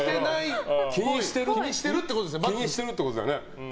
気にしてるってことだよね。